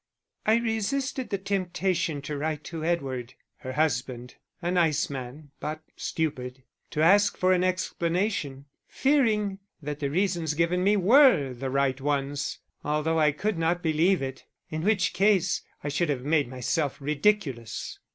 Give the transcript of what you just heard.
I resisted the temptation to write to Edward (her husband a nice man, but stupid!) to ask for an explanation, fearing that the reasons given me were the right ones (although I could not believe it); in which case I should have made myself ridiculous.